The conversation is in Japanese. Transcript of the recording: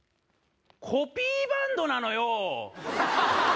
コピーバンドなのよ。